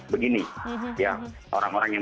begini ya orang orang yang